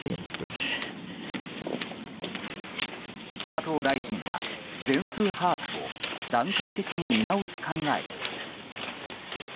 加藤大臣は全数把握を段階的に見直す考えです。